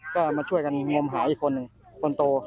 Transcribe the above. ก็มาช่วยกันงมหาอีกคนนึงคนโต